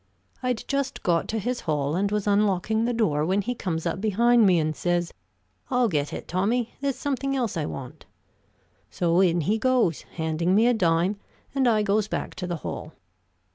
I'd just got to his hall and was unlocking the door, when he comes up behind me and says, 'I'll get it, Tommy; there's something else I want.' So in he goes, handing me a dime, and I goes back to the hall.